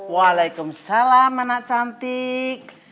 waalaikumsalam anak cantik